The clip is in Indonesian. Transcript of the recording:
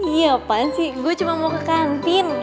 iya pan sih gue cuma mau ke kantin